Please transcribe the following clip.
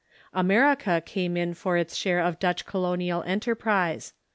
America came in for its share of Dutch colonial enterprise.